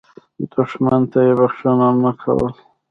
دښمن ته یې بخښنه نه کول.